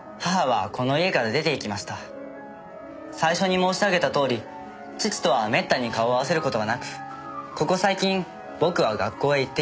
最初に申し上げたとおり父とはめったに顔を合わせる事がなくここ最近僕は学校へ行っていません。